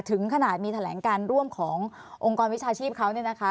ถึงขนาดมีแถลงการร่วมขององค์กรวิชาชีพเขาเนี่ยนะคะ